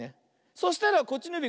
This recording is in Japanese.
そしたらこっちのゆび